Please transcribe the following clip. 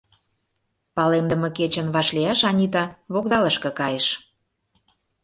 Палемдыме кечын вашлияш Анита вокзалышке кайыш.